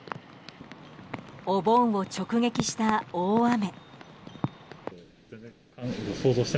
お盆を直撃した大雨。